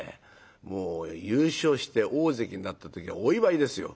もう優勝して大関になった時お祝いですよ。